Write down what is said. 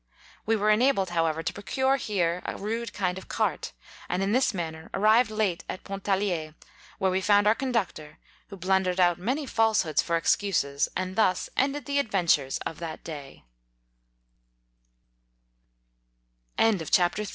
We were enabled, however, to procure here a rude kind of cart, and in this manner arrived late at Pontalier, where we found our conductor, who blun dered out many falsehoods for excuses ; and thus ended the adventures of that